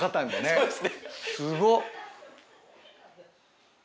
そうです。